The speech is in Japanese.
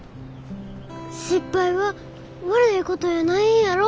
失敗は悪いことやないんやろ？